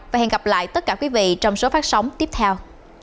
và hẹn gặp lại tất cả quý vị trong số phát sóng tiếp theo